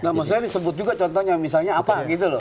nah maksudnya disebut juga contohnya misalnya apa gitu loh